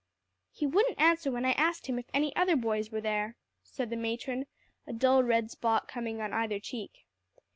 "He wouldn't answer when I asked him if any other boys were there," said the matron, a dull red spot coming on either cheek.